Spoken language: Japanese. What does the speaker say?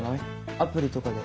アプリとかで。